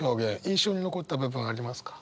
印象に残った部分ありますか？